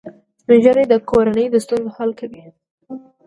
سپین ږیری د کورنۍ د ستونزو حل کوي